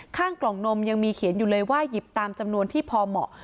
ข้างกล่องนมยังมีเขียนอยู่เลยว่าหยิบตามจำนวนที่พอเหมาะ